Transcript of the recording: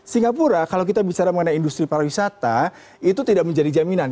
singapura kalau kita bicara mengenai industri pariwisata itu tidak menjadi jaminan